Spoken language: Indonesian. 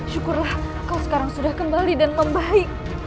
syukurlah kau sekarang sudah kembali dan membaik